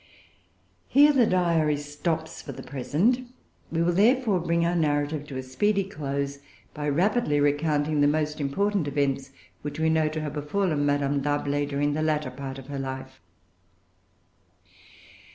Here the Diary stops for the present. We will, therefore, bring our narrative to a speedy close, by rapidly recounting the most important events which we know to have befallen Madame D'Arblay during the latter part of her life.